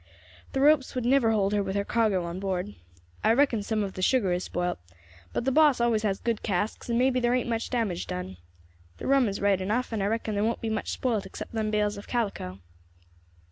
The ropes would never hold her with her cargo on board. I reckon some of the sugar is spoilt; but the boss always has good casks, and may be there ain't much damage done. The rum is right enough, and I reckon there won't be much spoilt except them bales of calico."